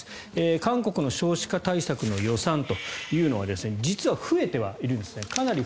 韓国の少子化対策の予算というのは実は増えてはいるんです。